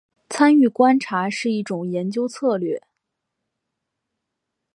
参与观察是一种研究策略。